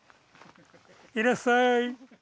いらっしゃい！